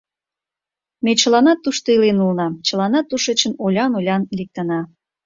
Ме чыланат тушто илен улына, чыланат тушечын олян-олян лектына.